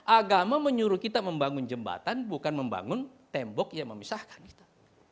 agama menyuruh kita membangun jembatan bukan membangun tembok yang memisahkan kita